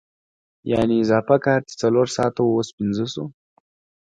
یانې اضافي کار چې څلور ساعته وو اوس پنځه شو